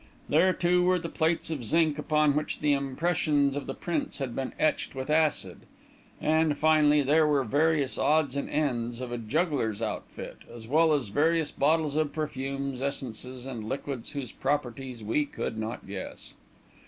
There, too, were the plates of zinc upon which the impressions of the prints had been etched with acid. And, finally, there were various odds and ends of a juggler's outfit, as well as various bottles of perfumes, essences, and liquids whose properties we could not guess.